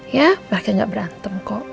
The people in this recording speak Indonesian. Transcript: ya bahkan gak berantem kok